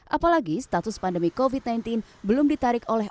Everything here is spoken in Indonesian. apalagi status pandemi covid sembilan belas belum ditarik oleh